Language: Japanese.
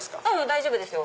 大丈夫ですよ。